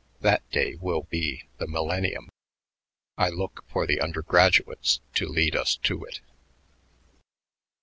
That day will be the millennium. I look for the undergraduates to lead us to it."